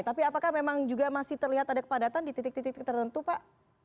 tapi apakah memang juga masih terlihat ada kepadatan di titik titik tertentu pak